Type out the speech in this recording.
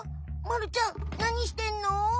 まるちゃん何してんの？